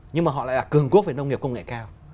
nhưng mà họ lại là cường quốc về nông nghiệp công nghệ cao